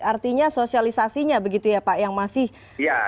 artinya sosialisasinya begitu ya pak yang masih